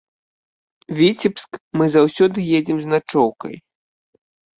Віцебск мы заўсёды едзем з начоўкай.